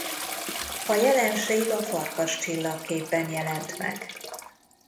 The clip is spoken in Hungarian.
A jelenség a Farkas csillagképben jelent meg.